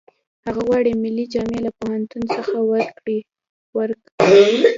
هغه غواړي ملي جامې له پوهنتون څخه ورکې کړي